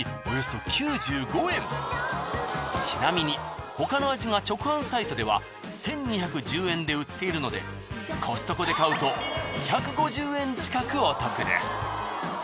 ちなみに他の味が直販サイトでは１２１０円で売っているのでコストコで買うと２５０円近くお得です。